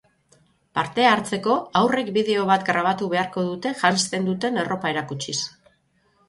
Parte hartzeko, haurrek bideo bat grabatu beharko dute janzten duten arropa erakutsiz.